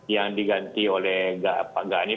yang diganti oleh pak ganib